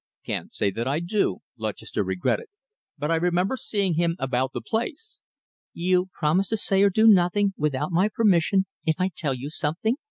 "Can't say that I do," Lutchester regretted, "but I remember seeing him about the place." "You promise to say or do nothing without my permission, if I tell you something?"